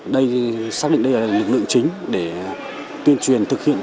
đây xác định đây là lực lượng chính để tuyên truyền thực hiện